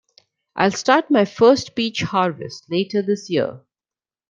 I'll start my first peach harvest later this year.